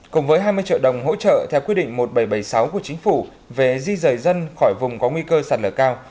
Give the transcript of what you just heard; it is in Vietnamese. cùng với hai mươi triệu đồng hỗ trợ theo quyết định một nghìn bảy trăm bảy mươi sáu của chính phủ về di rời dân khỏi vùng có nguy cơ sạt lở cao